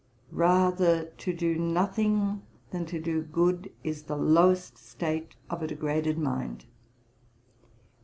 Rather to do nothing than to do good, is the lowest state of a degraded mind.